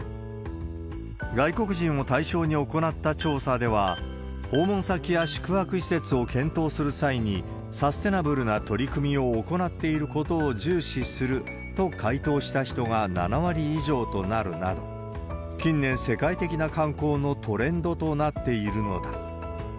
外国人を対象に行った調査では、訪問先や宿泊施設を検討する際に、サステナブルな取り組みを行っていることを重視すると回答した人が７割以上となるなど、近年、世界的な観光のトレンドとなっているのだ。